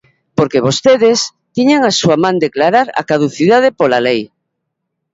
Porque vostedes tiñan na súa man declarar a caducidade, pola lei.